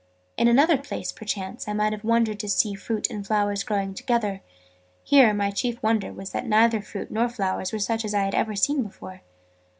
In another place, perchance, I might have wondered to see fruit and flowers growing together: here, my chief wonder was that neither fruit nor flowers were such as I had ever seen before.